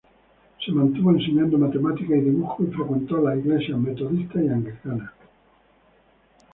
Se mantuvo enseñando Matemáticas y Dibujo y frecuentó las iglesias metodista y anglicana.